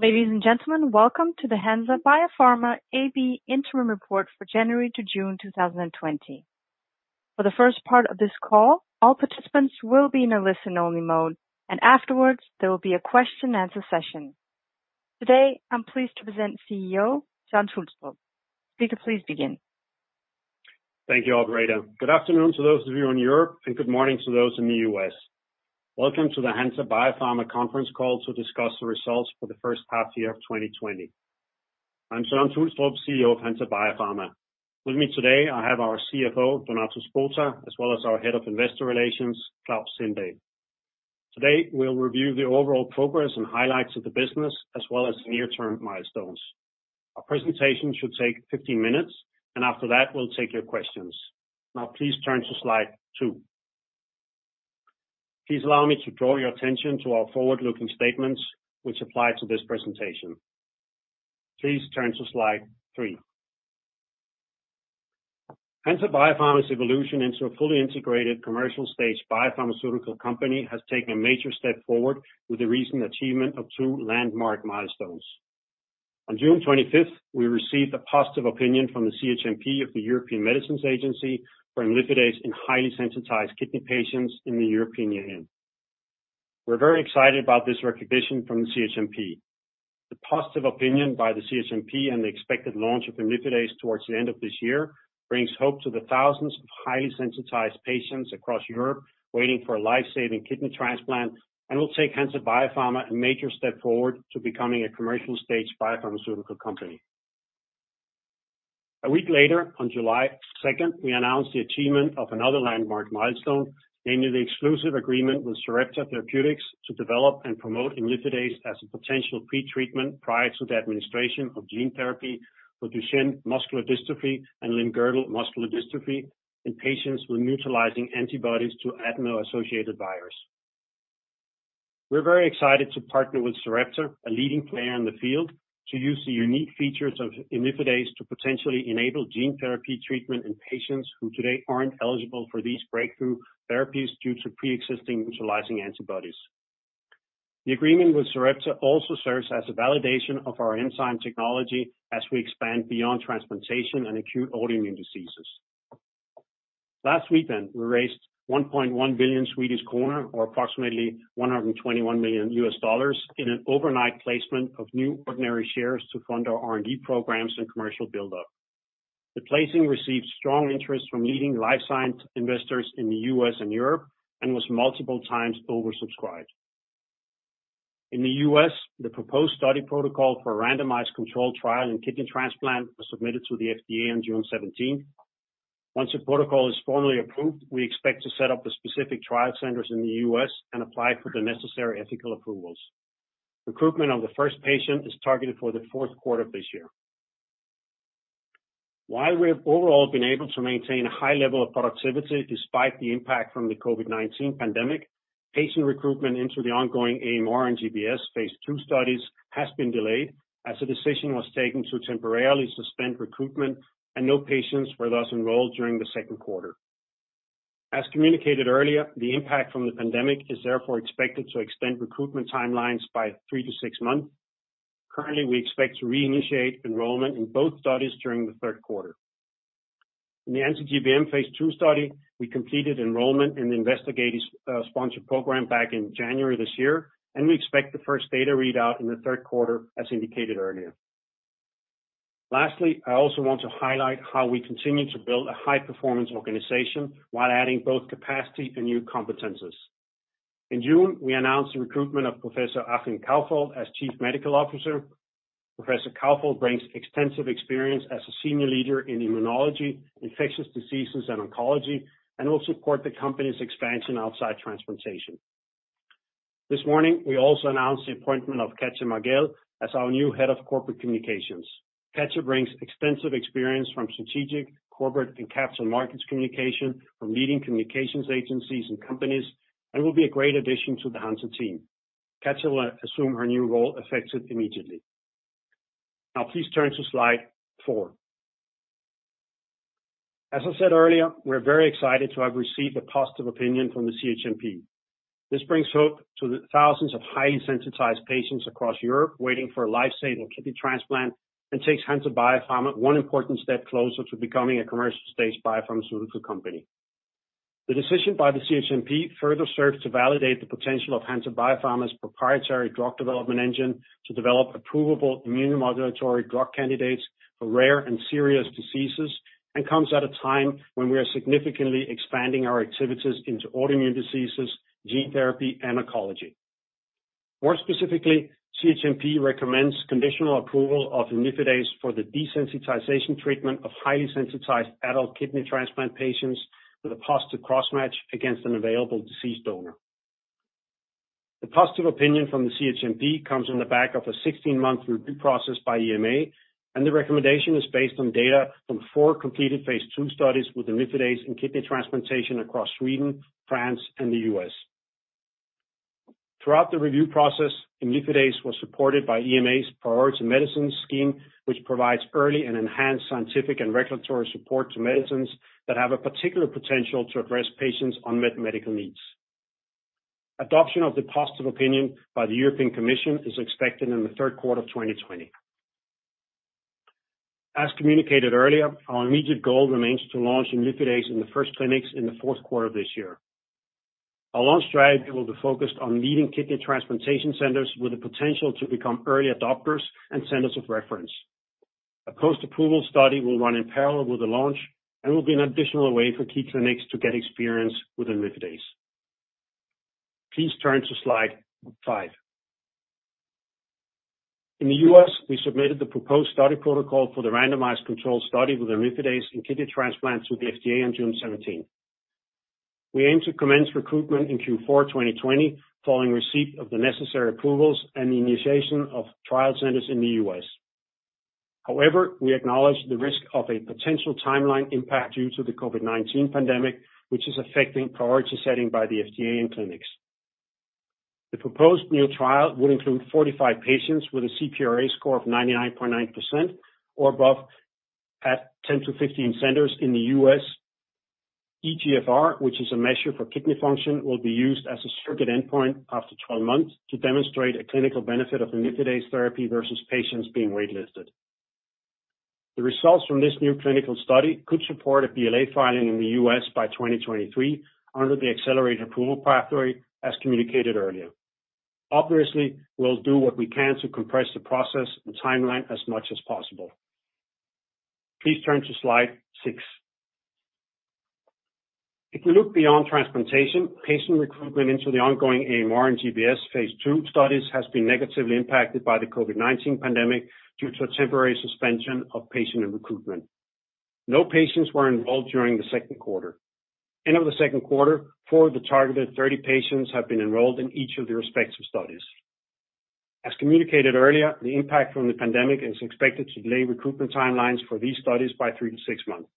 Ladies and gentlemen, welcome to the Hansa Biopharma AB interim report for January to June 2020. For the first part of this call, all participants will be in a listen-only mode, and afterwards, there will be a question and answer session. Today, I'm pleased to present CEO Søren Tulstrup. Please begin. Thank you, Alreda. Good afternoon to those of you in Europe, and good morning to those in the U.S. Welcome to the Hansa Biopharma conference call to discuss the results for the first half year of 2020. I'm Søren Tulstrup, CEO of Hansa Biopharma. With me today, I have our CFO, Donato Spota, as well as our Head of Investor Relations, Klaus Sindahl. Today, we'll review the overall progress and highlights of the business as well as near-term milestones. Our presentation should take 15 minutes, and after that, we'll take your questions. Now please turn to slide 2. Please allow me to draw your attention to our forward-looking statements which apply to this presentation. Please turn to slide 3. Hansa Biopharma's evolution into a fully integrated commercial-stage biopharmaceutical company has taken a major step forward with the recent achievement of 2 landmark milestones. On June 25, we received a positive opinion from the CHMP of the European Medicines Agency for imlifidase in highly sensitized kidney patients in the European Union. We're very excited about this recognition from the CHMP. The positive opinion by the CHMP and the expected launch of imlifidase towards the end of this year brings hope to the thousands of highly sensitized patients across Europe waiting for a life-saving kidney transplant and will take Hansa Biopharma a major step forward to becoming a commercial-stage biopharmaceutical company. A week later, on July 2, we announced the achievement of another landmark milestone, namely the exclusive agreement with Sarepta Therapeutics to develop and promote imlifidase as a potential pre-treatment prior to the administration of gene therapy for Duchenne muscular dystrophy and limb-girdle muscular dystrophy in patients with neutralizing antibodies to adeno-associated virus. We're very excited to partner with Sarepta, a leading player in the field, to use the unique features of imlifidase to potentially enable gene therapy treatment in patients who today aren't eligible for these breakthrough therapies due to pre-existing neutralizing antibodies. The agreement with Sarepta also serves as a validation of our enzyme technology as we expand beyond transplantation and acute autoimmune diseases. Last weekend, we raised 1.1 billion Swedish kronor or approximately $121 million in an overnight placement of new ordinary shares to fund our R&D programs and commercial buildup. The placing received strong interest from leading life science investors in the U.S. and Europe and was multiple times oversubscribed. In the U.S., the proposed study protocol for a randomized controlled trial in kidney transplant was submitted to the FDA on June seventeenth. Once the protocol is formally approved, we expect to set up the specific trial centers in the U.S. and apply for the necessary ethical approvals. Recruitment of the first patient is targeted for the fourth quarter of this year. While we have overall been able to maintain a high level of productivity despite the impact from the COVID-19 pandemic, patient recruitment into the ongoing AMR and GBS phase II studies has been delayed as a decision was taken to temporarily suspend recruitment, and no patients were thus enrolled during the second quarter. As communicated earlier, the impact from the pandemic is therefore expected to extend recruitment timelines by three to six months. Currently, we expect to reinitiate enrollment in both studies during the third quarter. In the anti-GBM phase II study, we completed enrollment in the investigator-sponsored program back in January this year, and we expect the first data readout in the third quarter, as indicated earlier. Lastly, I also want to highlight how we continue to build a high-performance organization while adding both capacity and new competencies. In June, we announced the recruitment of Professor Achim Kaufhold as Chief Medical Officer. Professor Kaufhold brings extensive experience as a senior leader in immunology, infectious diseases, and oncology and will support the company's expansion outside transplantation. This morning, we also announced the appointment of Katja Margell as our new Head of Corporate Communications. Katja brings extensive experience from strategic, corporate, and capital markets communication from leading communications agencies and companies and will be a great addition to the Hansa team. Katja will assume her new role effective immediately. Now please turn to slide four. As I said earlier, we're very excited to have received a positive opinion from the CHMP. This brings hope to the thousands of highly sensitized patients across Europe waiting for a life-saving kidney transplant and takes Hansa Biopharma one important step closer to becoming a commercial-stage biopharmaceutical company. The decision by the CHMP further serves to validate the potential of Hansa Biopharma's proprietary drug development engine to develop approvable immunomodulatory drug candidates for rare and serious diseases and comes at a time when we are significantly expanding our activities into autoimmune diseases, gene therapy, and oncology. More specifically, CHMP recommends conditional approval of imlifidase for the desensitization treatment of highly sensitized adult kidney transplant patients with a positive cross-match against an available deceased donor. The positive opinion from the CHMP comes on the back of a 16-month review process by EMA, and the recommendation is based on data from 4 completed phase II studies with imlifidase in kidney transplantation across Sweden, France, and the U.S. Throughout the review process, imlifidase was supported by EMA's priority medicine scheme, which provides early and enhanced scientific and regulatory support to medicines that have a particular potential to address patients' unmet medical needs. Adoption of the positive opinion by the European Commission is expected in the third quarter of 2020. As communicated earlier, our immediate goal remains to launch Idefirix in the first clinics in the fourth quarter of this year. Our launch strategy will be focused on leading kidney transplantation centers with the potential to become early adopters and centers of reference. A post-approval study will run in parallel with the launch and will be an additional way for key clinics to get experience with imlifidase. Please turn to slide 5. In the U.S., we submitted the proposed study protocol for the randomized controlled study with imlifidase in kidney transplants to the FDA on June 17. We aim to commence recruitment in Q4 2020 following receipt of the necessary approvals and the initiation of trial centers in the U.S. However, we acknowledge the risk of a potential timeline impact due to the COVID-19 pandemic, which is affecting priority setting by the FDA in clinics. The proposed new trial will include 45 patients with a CPRA score of 99.9% or above at 10-15 centers in the U.S. eGFR, which is a measure for kidney function, will be used as a surrogate endpoint after 12 months to demonstrate a clinical benefit of imlifidase therapy versus patients being wait-listed. The results from this new clinical study could support a BLA filing in the U.S. by 2023 under the accelerated approval pathway, as communicated earlier. Obviously, we'll do what we can to compress the process and timeline as much as possible. Please turn to slide 6. If we look beyond transplantation, patient recruitment into the ongoing AMR and GBS phase II studies has been negatively impacted by the COVID-19 pandemic due to a temporary suspension of patient recruitment. No patients were enrolled during the second quarter. At the end of the second quarter, four of the targeted 30 patients have been enrolled in each of their respective studies. As communicated earlier, the impact from the pandemic is expected to delay recruitment timelines for these studies by 3-6 months.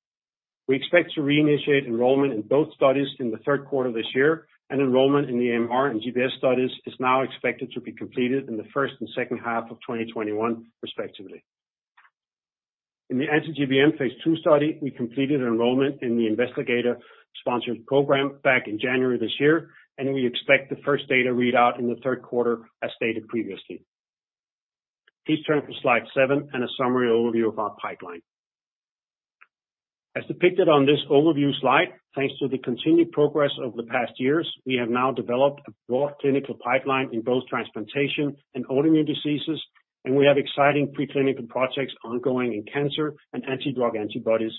We expect to reinitiate enrollment in both studies in the third quarter this year, and enrollment in the AMR and GBS studies is now expected to be completed in the first and second half of 2021 respectively. In the anti-GBM phase II study, we completed enrollment in the investigator-sponsored program back in January this year, and we expect the first data readout in the third quarter, as stated previously. Please turn to slide 7 and a summary overview of our pipeline. As depicted on this overview slide, thanks to the continued progress over the past years, we have now developed a broad clinical pipeline in both transplantation and autoimmune diseases, and we have exciting preclinical projects ongoing in cancer and anti-drug antibodies,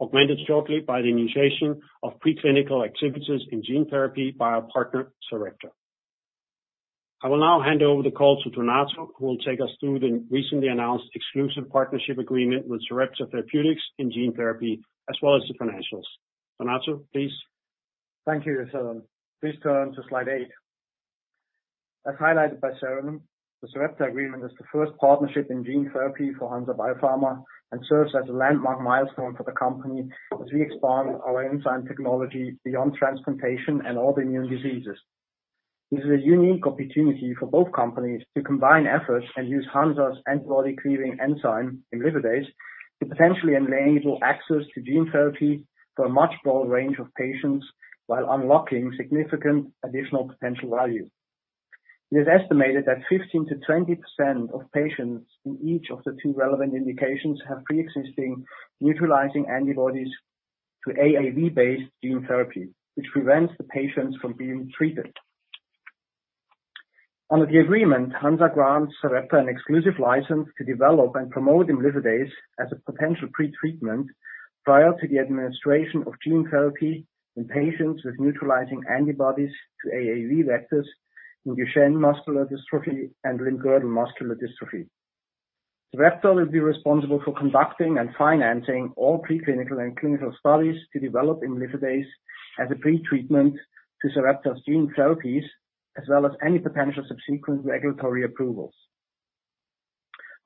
augmented shortly by the initiation of preclinical activities in gene therapy by our partner, Sarepta. I will now hand over the call to Donato Spota, who will take us through the recently announced exclusive partnership agreement with Sarepta Therapeutics in gene therapy, as well as the financials. Donato Spota, please. Thank you, Søren. Please turn to slide 8. As highlighted by Søren, the Sarepta agreement is the first partnership in gene therapy for Hansa Biopharma and serves as a landmark milestone for the company as we expand our enzyme technology beyond transplantation and autoimmune diseases. This is a unique opportunity for both companies to combine efforts and use Hansa's antibody-cleaving enzyme, imlifidase, to potentially enable access to gene therapy for a much broader range of patients while unlocking significant additional potential value. It is estimated that 15%-20% of patients in each of the two relevant indications have pre-existing neutralizing antibodies to AAV-based gene therapy, which prevents the patients from being treated. Under the agreement, Hansa grants Sarepta an exclusive license to develop and promote imlifidase as a potential pretreatment prior to the administration of gene therapy in patients with neutralizing antibodies to AAV vectors in Duchenne muscular dystrophy and limb-girdle muscular dystrophy. Sarepta will be responsible for conducting and financing all pre-clinical and clinical studies to develop imlifidase as a pretreatment to Sarepta's gene therapies, as well as any potential subsequent regulatory approvals.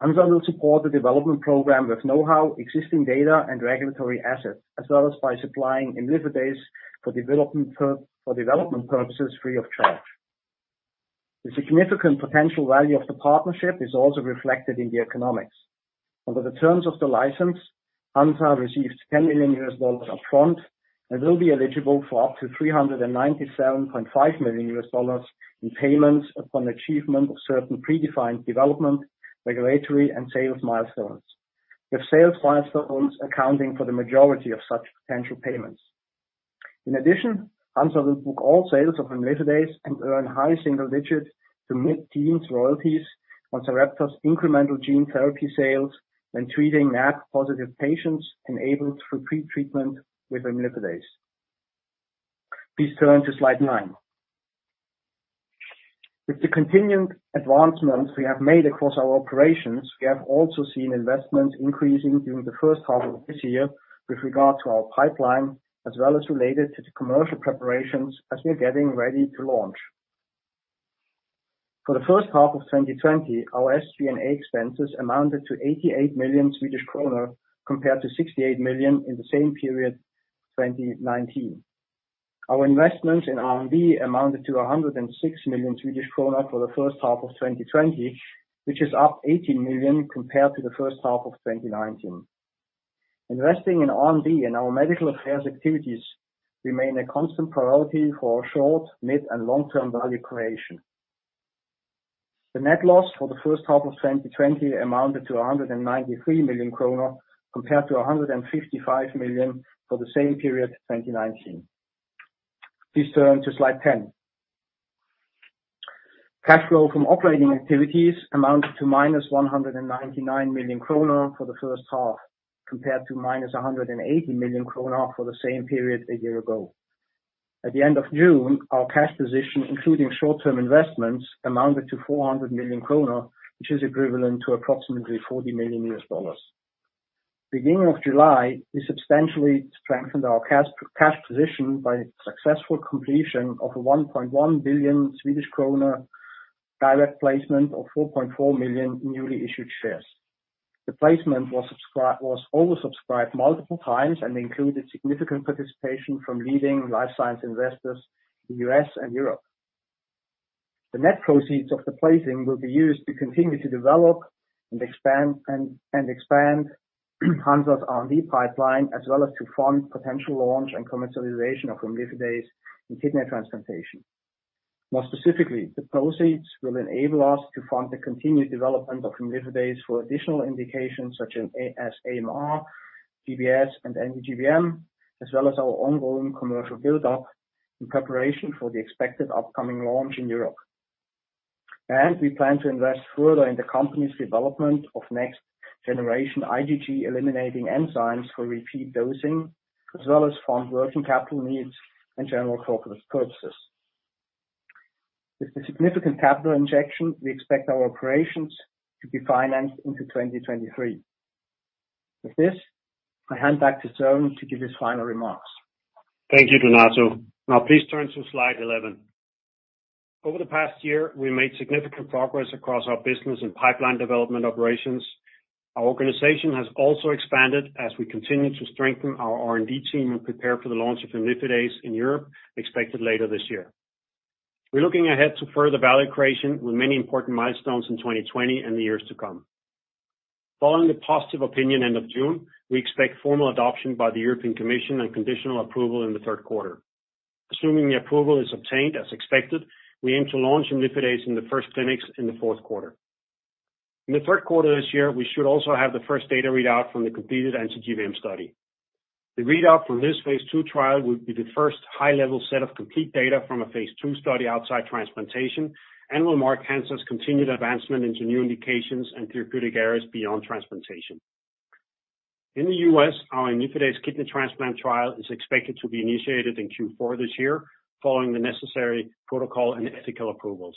Hansa will support the development program with know-how, existing data, and regulatory assets, as well as by supplying imlifidase for development purposes free of charge. The significant potential value of the partnership is also reflected in the economics. Under the terms of the license, Hansa receives $10 million up front and will be eligible for up to $397.5 million in payments upon achievement of certain predefined development, regulatory, and sales milestones, with sales milestones accounting for the majority of such potential payments. In addition, Hansa will book all sales of imlifidase and earn high single digits to mid-teens royalties on Sarepta's incremental gene therapy sales when treating AAV positive patients enabled through pretreatment with imlifidase. Please turn to slide nine. With the continued advancements we have made across our operations, we have also seen investments increasing during the first half of this year with regard to our pipeline, as well as related to the commercial preparations as we're getting ready to launch. For the first half of 2020, our SG&A expenses amounted to 88 million Swedish kronor compared to 68 million in the same period 2019. Our investments in R&D amounted to 106 million Swedish krona for the first half of 2020, which is up 80 million compared to the first half of 2019. Investing in R&D and our medical affairs activities remain a constant priority for our short, mid-, and long-term value creation. The net loss for the first half of 2020 amounted to 193 million kronor, compared to 155 million for the same period 2019. Please turn to slide 10. Cash flow from operating activities amounted to -199 million kronor for the first half, compared to -180 million kronor for the same period a year ago. At the end of June, our cash position, including short-term investments, amounted to 400 million kronor, which is equivalent to approximately $40 million. Beginning of July, we substantially strengthened our cash position by successful completion of a 1.1 billion Swedish kronor direct placement of 4.4 million newly issued shares. The placement was oversubscribed multiple times and included significant participation from leading life science investors in U.S. and Europe. The net proceeds of the placing will be used to continue to develop and expand Hansa's R&D pipeline, as well as to fund potential launch and commercialization of imlifidase in kidney transplantation. More specifically, the proceeds will enable us to fund the continued development of imlifidase for additional indications such as AMR, GBS, and anti-GBM, as well as our ongoing commercial build-up in preparation for the expected upcoming launch in Europe. We plan to invest further in the company's development of next generation IgG eliminating enzymes for repeat dosing, as well as fund working capital needs and general corporate purposes. With the significant capital injection, we expect our operations to be financed into 2023. With this, I hand back to Søren to give his final remarks. Thank you, Donato. Now please turn to slide 11. Over the past year, we made significant progress across our business and pipeline development operations. Our organization has also expanded as we continue to strengthen our R&D team and prepare for the launch of imlifidase in Europe expected later this year. We're looking ahead to further value creation with many important milestones in 2020 and the years to come. Following the positive opinion at the end of June, we expect formal adoption by the European Commission and conditional approval in the third quarter. Assuming the approval is obtained as expected, we aim to launch imlifidase in the first clinics in the fourth quarter. In the third quarter this year, we should also have the first data readout from the completed anti-GBM study. The readout from this phase II trial would be the first high-level set of complete data from a phase II study outside transplantation, and will mark Hansa's continued advancement into new indications and therapeutic areas beyond transplantation. In the U.S., our imlifidase kidney transplant trial is expected to be initiated in Q4 this year, following the necessary protocol and ethical approvals.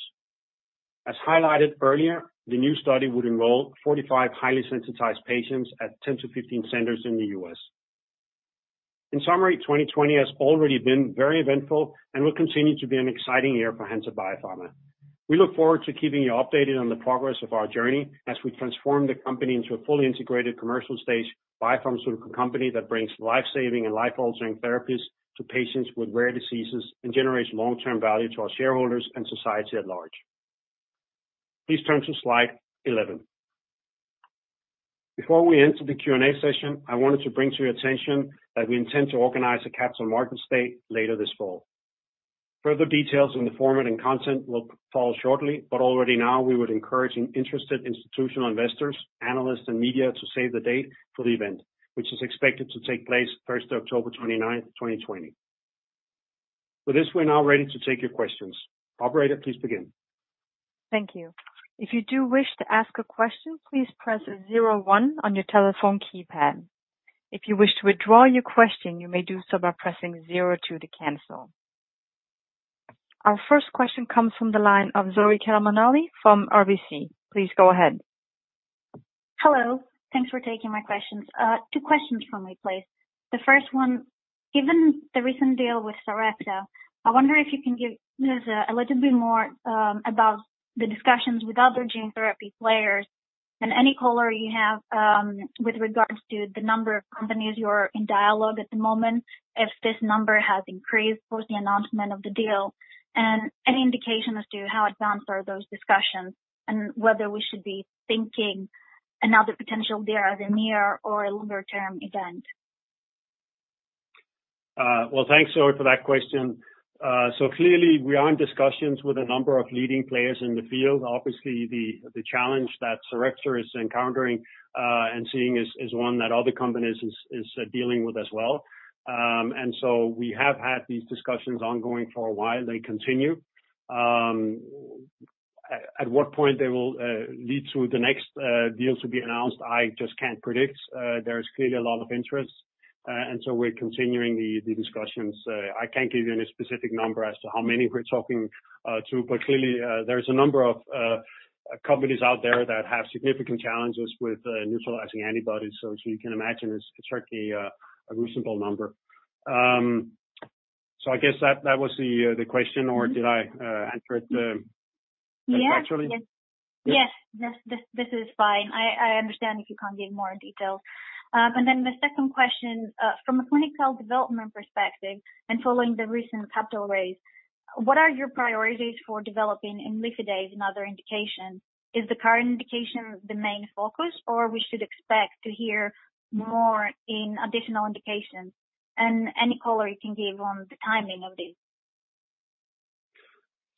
As highlighted earlier, the new study would enroll 45 highly sensitized patients at 10-15 centers in the U.S. In summary, 2020 has already been very eventful and will continue to be an exciting year for Hansa Biopharma. We look forward to keeping you updated on the progress of our journey as we transform the company into a fully integrated commercial stage biopharmaceutical company that brings life-saving and life-altering therapies to patients with rare diseases, and generates long-term value to our shareholders and society at large. Please turn to slide 11. Before we enter the Q&A session, I wanted to bring to your attention that we intend to organize a Capital Markets Day later this fall. Further details in the format and content will follow shortly, but already now, we would encourage any interested institutional investors, analysts, and media to save the date for the event, which is expected to take place October 29, 2020. With this, we're now ready to take your questions. Operator, please begin. Thank you. If you do wish to ask a question, please press zero one on your telephone keypad. If you wish to withdraw your question, you may do so by pressing zero two to cancel. Our first question comes from the line of Zoe Karamanoli from RBC. Please go ahead. Hello. Thanks for taking my questions. Two questions from me, please. The first one, given the recent deal with Sarepta, I wonder if you can give us a little bit more about the discussions with other gene therapy players and any color you have with regards to the number of companies you are in dialogue at the moment, if this number has increased post the announcement of the deal, and any indication as to how advanced are those discussions and whether we should be thinking another potential deal as a near or a longer-term event? Well, thanks, Zoe, for that question. Clearly, we are in discussions with a number of leading players in the field. Obviously, the challenge that Sarepta is encountering and seeing is one that other companies is dealing with as well. We have had these discussions ongoing for a while. They continue. At what point they will lead to the next deals to be announced, I just can't predict. There's clearly a lot of interest, and so we're continuing the discussions. I can't give you any specific number as to how many we're talking to, but clearly, there's a number of companies out there that have significant challenges with neutralizing antibodies. As you can imagine, it's certainly a reasonable number. I guess that was the question or did I answer it? Yeah. -ineffectually? Yes. This is fine. I understand if you can't give more details. Then the second question from a clinical development perspective and following the recent capital raise. What are your priorities for developing imlifidase in other indications? Is the current indication the main focus, or we should expect to hear more in additional indications? Any color you can give on the timing of this.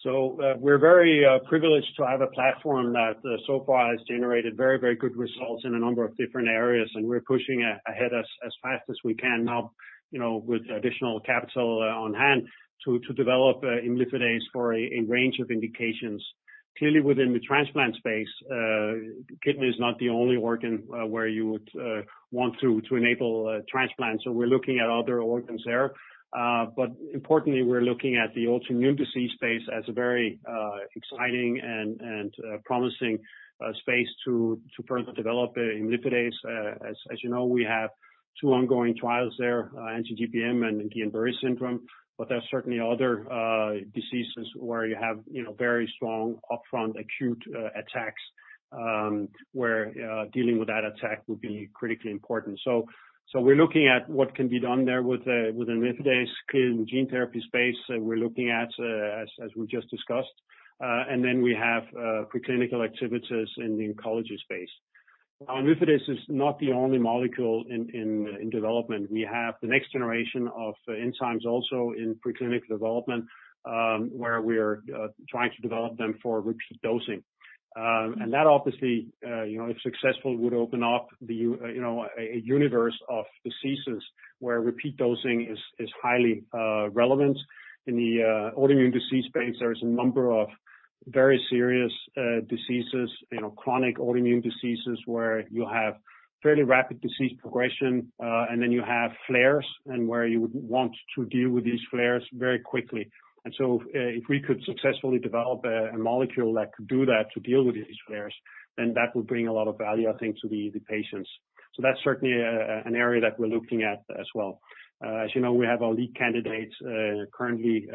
We're very privileged to have a platform that so far has generated very good results in a number of different areas, and we're pushing ahead as fast as we can now, you know, with additional capital on hand to develop imlifidase for a range of indications. Clearly, within the transplant space, kidney is not the only organ where you would want to enable a transplant, so we're looking at other organs there. Importantly, we're looking at the autoimmune disease space as a very exciting and promising space to further develop imlifidase. As you know, we have two ongoing trials there, anti-GBM and Guillain-Barré syndrome. There are certainly other diseases where you have, you know, very strong upfront, acute, attacks, where dealing with that attack will be critically important. We're looking at what can be done there with imlifidase. Clearly, in the gene therapy space, we're looking at, as we just discussed. We have preclinical activities in the oncology space. Imlifidase is not the only molecule in development. We have the next generation of enzymes also in preclinical development, where we are trying to develop them for repeat dosing. That obviously, you know, if successful, would open up you know, a universe of diseases where repeat dosing is highly relevant. In the autoimmune disease space, there is a number of very serious diseases, you know, chronic autoimmune diseases, where you have fairly rapid disease progression, and then you have flares and where you would want to deal with these flares very quickly. If we could successfully develop a molecule that could do that, to deal with these flares, then that would bring a lot of value, I think, to the patients. That's certainly an area that we're looking at as well. As you know, we have our lead candidates currently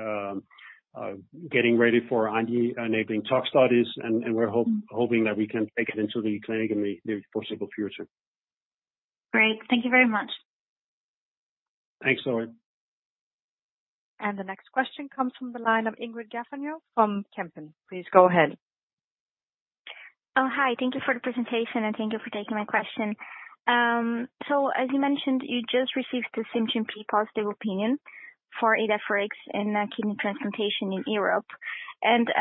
getting ready for our IND-enabling tox studies. We're hoping that we can take it into the clinic in the foreseeable future. Great. Thank you very much. Thanks, Zoe. The next question comes from the line of Ingrid Gafney from Kempen. Please go ahead. Oh, hi. Thank you for the presentation, and thank you for taking my question. As you mentioned, you just received the CHMP positive opinion for Idefirix in kidney transplantation in Europe.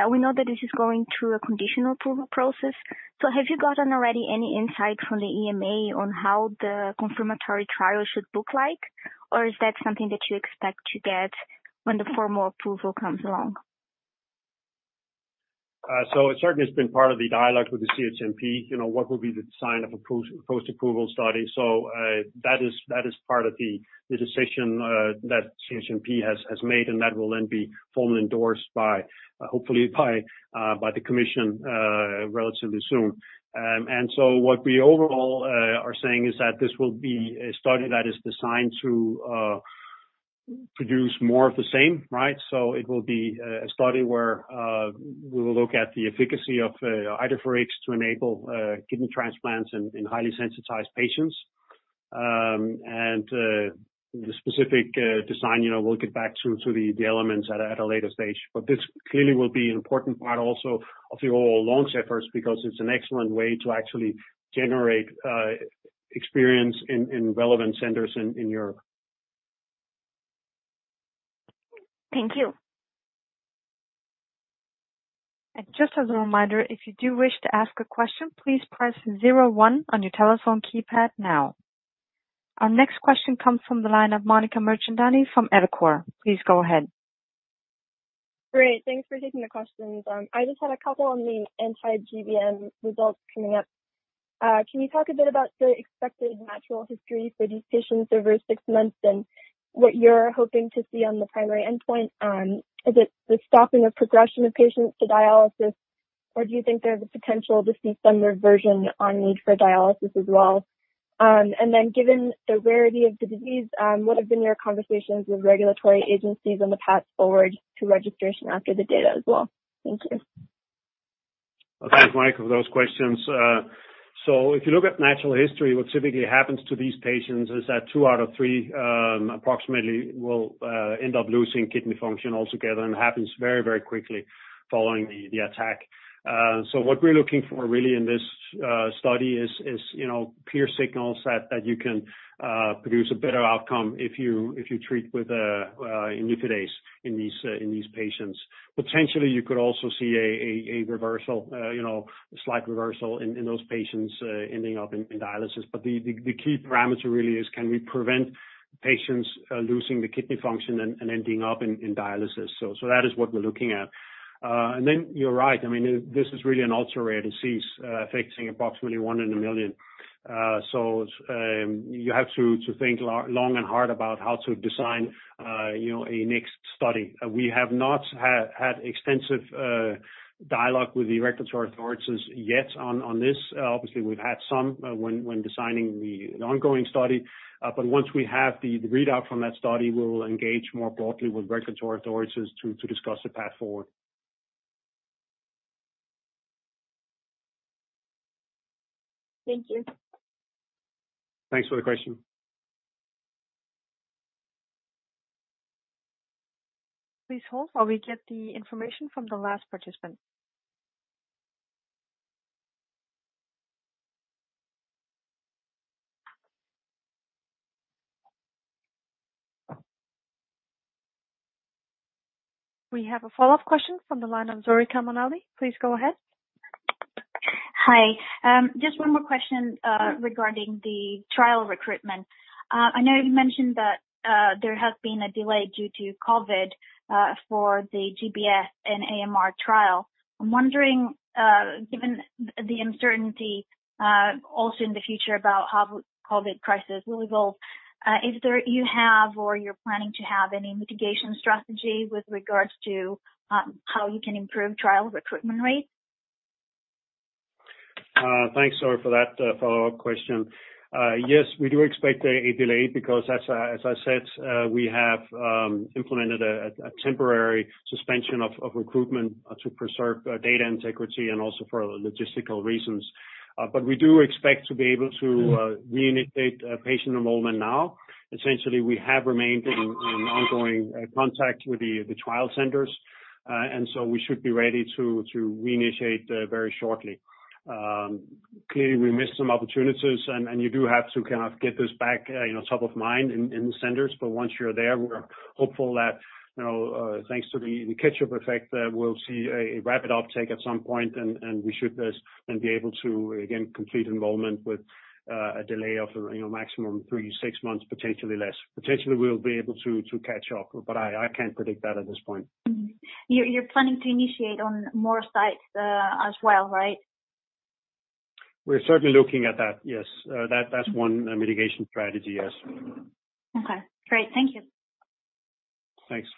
We know that this is going through a conditional approval process. Have you gotten already any insight from the EMA on how the confirmatory trial should look like? Or is that something that you expect to get when the formal approval comes along? It certainly has been part of the dialogue with the CHMP, you know, what will be the design of post-approval study. That is part of the decision that CHMP has made, and that will then be formally endorsed by, hopefully by the commission, relatively soon. What we overall are saying is that this will be a study that is designed to produce more of the same, right? It will be a study where we will look at the efficacy of Idefirix to enable kidney transplants in highly sensitized patients. The specific design, you know, we'll get back to the elements at a later stage. This clearly will be an important part also of the overall launch efforts because it's an excellent way to actually generate experience in relevant centers in Europe. Thank you. Just as a reminder, if you do wish to ask a question, please press zero one on your telephone keypad now. Our next question comes from the line of Monica Mirchandani from Evercore. Please go ahead. Great. Thanks for taking the questions. I just had a couple on the anti-GBM results coming up. Can you talk a bit about the expected natural history for these patients over six months and what you're hoping to see on the primary endpoint? Is it the stopping of progression of patients to dialysis, or do you think there's a potential to see some reversion on need for dialysis as well? Given the rarity of the disease, what have been your conversations with regulatory agencies on the path forward to registration after the data as well? Thank you. Okay, Monica, for those questions. If you look at natural history, what typically happens to these patients is that two out of three, approximately, will end up losing kidney function altogether and happens very, very quickly following the attack. What we're looking for really in this study is, you know, clear signals that you can produce a better outcome if you treat with imlifidase in these patients. Potentially, you could also see a reversal, you know, a slight reversal in those patients ending up in dialysis. But the key parameter really is can we prevent patients losing the kidney function and ending up in dialysis. That is what we're looking at. Then you're right. I mean, this is really an ultra-rare disease, affecting approximately one in a million. You have to think long and hard about how to design, you know, a next study. We have not had extensive dialogue with the regulatory authorities yet on this. Obviously, we've had some when designing the ongoing study. Once we have the readout from that study, we will engage more broadly with regulatory authorities to discuss the path forward. Thank you. Thanks for the question. Please hold while we get the information from the last participant. We have a follow-up question from the line of Zoe Karamanoli. Please go ahead. Hi. Just one more question regarding the trial recruitment. I know you mentioned that there has been a delay due to COVID for the GBS and AMR trial. I'm wondering given the uncertainty also in the future about how COVID crisis will evolve if there you have or you're planning to have any mitigation strategy with regards to how you can improve trial recruitment rates? Thanks, Zoe, for that follow-up question. Yes, we do expect a delay because as I said, we have implemented a temporary suspension of recruitment to preserve data integrity and also for logistical reasons. But we do expect to be able to reinitiate patient enrollment now. Essentially, we have remained in ongoing contact with the trial centers, and so we should be ready to reinitiate very shortly. Clearly we missed some opportunities and you do have to kind of get this back, you know, top of mind in the centers. But once you're there, we're hopeful that, you know, thanks to the catch-up effect, we'll see a rapid uptake at some point and we should just. be able to, again, complete enrollment with a delay of, you know, maximum 3-6 months, potentially less. Potentially, we'll be able to catch up, but I can't predict that at this point. You're planning to initiate on more sites, as well, right? We're certainly looking at that, yes. That's one mitigation strategy, yes. Okay, great. Thank you. Thanks.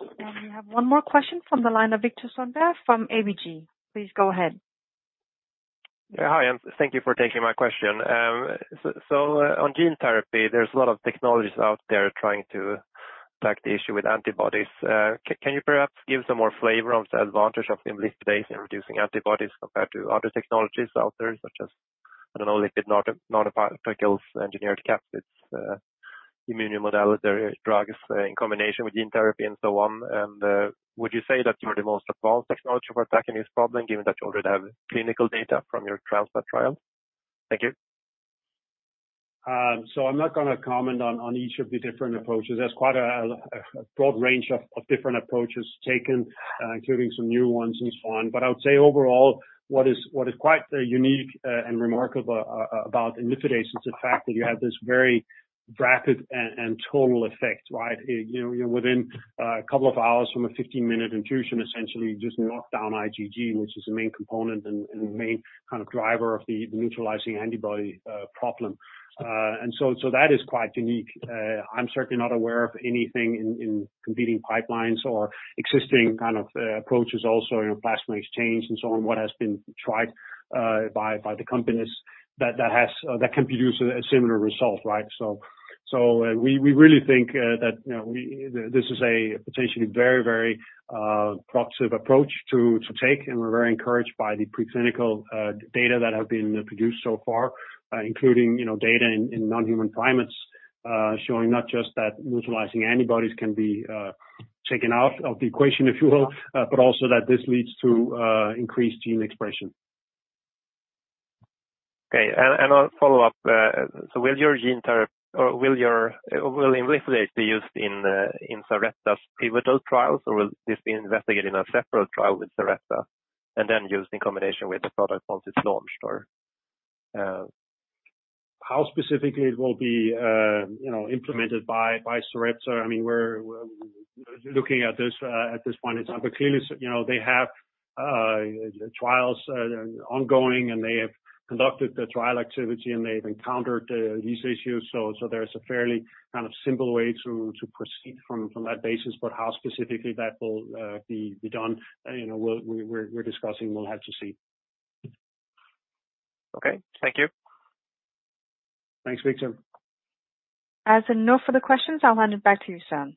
We have one more question from the line of Viktor Söderberg from ABG. Please go ahead. Yeah, hi, and thank you for taking my question. So on gene therapy, there's a lot of technologies out there trying to attack the issue with antibodies. Can you perhaps give some more flavor on the advantage of imlifidase in reducing antibodies compared to other technologies out there, such as, I don't know, lipid nanoparticles, engineered capsids, immunomodulatory drugs in combination with gene therapy and so on? Would you say that you're the most advanced technology for attacking this problem, given that you already have clinical data from your TransFIH trial? Thank you. I'm not gonna comment on each of the different approaches. There's quite a broad range of different approaches taken, including some new ones and so on. I would say overall, what is quite unique and remarkable about imlifidase is the fact that you have this very rapid and total effect, right? You know, within a couple of hours from a 15-minute infusion, essentially you just knock down IgG, which is the main component and the main kind of driver of the neutralizing antibody problem. That is quite unique. I'm certainly not aware of anything in competing pipelines or existing kind of approaches also, you know, plasma exchange and so on, what has been tried by the companies that has... That can produce a similar result, right? We really think that, you know, this is a potentially very proactive approach to take, and we're very encouraged by the preclinical data that have been produced so far, including, you know, data in non-human primates showing not just that neutralizing antibodies can be taken out of the equation, if you will, but also that this leads to increased gene expression. Okay. I'll follow up. Will imlifidase be used in Sarepta's pivotal trials, or will this be investigated in a separate trial with Sarepta and then used in combination with the product once it's launched? How specifically it will be, you know, implemented by Sarepta, I mean, we're looking at this at this point in time. Clearly, you know, they have trials ongoing, and they have conducted the trial activity, and they've encountered these issues. There's a fairly kind of simple way to proceed from that basis. How specifically that will be done, you know, we're discussing, we'll have to see. Okay. Thank you. Thanks, Viktor. As there are no further questions, I'll hand it back to you, Søren.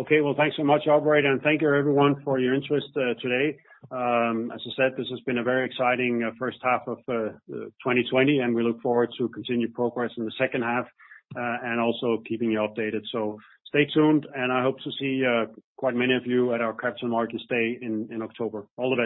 Okay. Well, thanks so much, Alright, and thank you everyone for your interest today. As I said, this has been a very exciting first half of 2020, and we look forward to continued progress in the second half and also keeping you updated. Stay tuned, and I hope to see quite many of you at our Capital Markets Day in October. All the best.